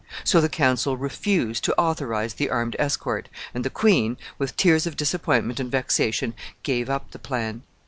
So the council refused to authorize the armed escort, and the queen, with tears of disappointment and vexation, gave up the plan.